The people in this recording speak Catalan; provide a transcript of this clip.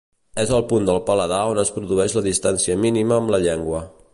És el punt del paladar on es produeix la distància mínima amb la llengua.